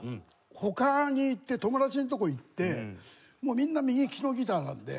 他に行って友達のとこへ行ってみんな右ききのギターなので。